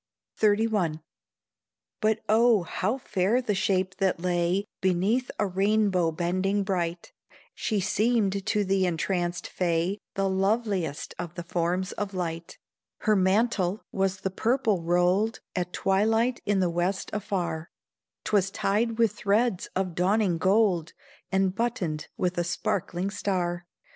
XXXI. But oh! how fair the shape that lay Beneath a rainbow bending bright, She seemed to the entranced Fay The loveliest of the forms of light; Her mantle was the purple rolled At twilight in the west afar; 'Twas tied with threads of dawning gold, And buttoned with a sparkling star.